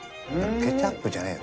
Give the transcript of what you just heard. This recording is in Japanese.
ケチャップじゃねえ。